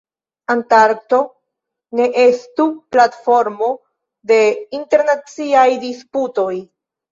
Antarkto ne estu platformo de internaciaj disputoj.